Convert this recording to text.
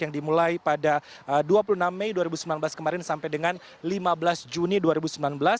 yang dimulai pada dua puluh enam mei dua ribu sembilan belas kemarin sampai dengan lima belas hari kemarin